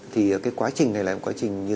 thì cái quá trình này là một quá trình